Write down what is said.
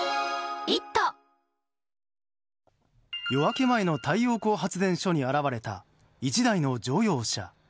夜明け前の太陽光発電所に現れた、１台の乗用車。